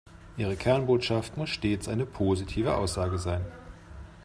Ihre Kernbotschaft muss stets eine positive Aussage sein.